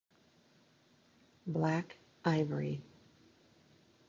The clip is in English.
Black Ivory